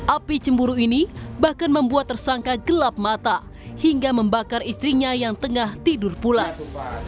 api cemburu ini bahkan membuat tersangka gelap mata hingga membakar istrinya yang tengah tidur pulas